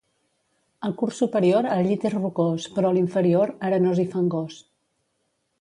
Al curs superior el llit és rocós però a l'inferior arenós i fangós.